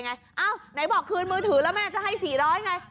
ไหนบอกคืนมือถือแล้วแม่จะให้๔๐๐ไง